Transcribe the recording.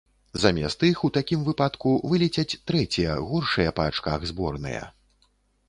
Замест іх у такім выпадку вылецяць трэція горшыя па ачках зборныя.